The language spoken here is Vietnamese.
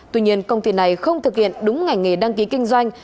tuy nhiên công ty này không thực hiện đúng ngành nghề đăng ký kinh doanh